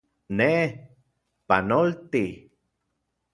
Ne, ¡panolti!